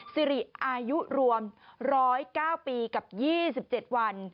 สิริอายุรวม๑๐๙ปีกับ๒๗วัน